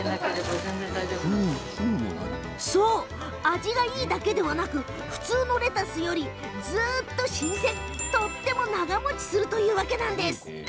味がいいだけではなく普通のレタスよりずーっと新鮮ですごく長もちするというわけです。